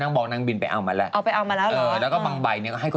นางบอล์นางบิลฉ์ไปเอ้ามาแล้วเอาไปเอ้ามาแล้วเหรอ